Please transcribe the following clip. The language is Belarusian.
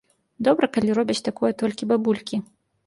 Добра, калі робяць такое толькі бабулькі.